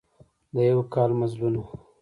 د یوه کال مزلونه